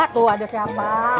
tuh ada siapa